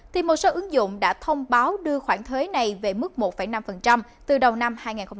thì một số ứng dụng đã thông báo đưa khoản thuế này về mức một năm từ đầu năm hai nghìn hai mươi